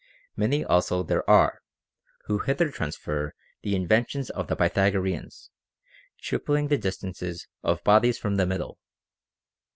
Many also there are, who hither transfer the inventions of the Pythagoreans, tripling the distances of bodies from the middle.